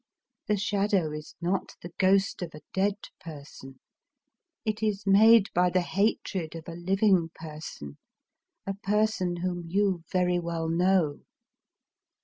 The Shadow is not the ghost of a dead person. It is_made by the hatred of a living person — a per son whom you very well know."